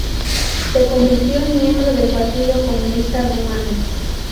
Se convirtió en miembro del Partido Comunista Rumano.